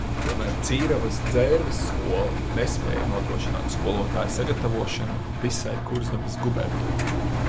Tomēr Cīravas – Dzērves skola nespēja nodrošināt skolotāju sagatavošanu visai Kurzemes guberņai.